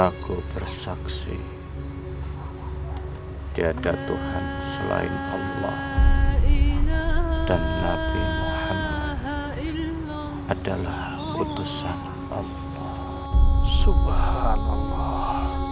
aku bersaksi diada tuhan selain allah dan nabi muhammad adalah utusan allah subhanallah